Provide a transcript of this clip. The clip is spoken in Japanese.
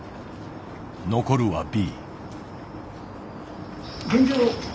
残るはＢ。